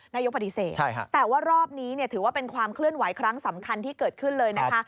นายกปฏิเสธแต่ว่ารอบนี้ถือว่าเป็นความเคลื่อนไหวครั้งสำคัญที่เกิดขึ้นเลยนะคะ